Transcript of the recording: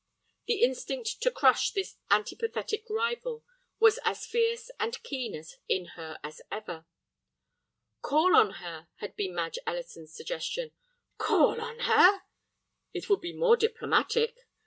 The instinct to crush this antipathetic rival was as fierce and keen in her as ever. "Call on her," had been Madge Ellison's suggestion. "Call on her!" "It would be more diplomatic."